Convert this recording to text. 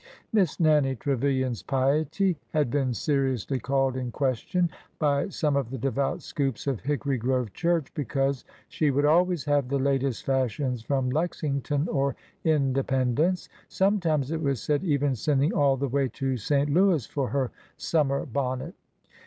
Miss Nannie Trevilian's piety had been seriously called in question by some of the devout scoops of Hickory Grove church, because she would always have the latest fashions from Lexington or Independence,— sometimes, it was said, even sending all the way to St. Louis for her summer bonnet.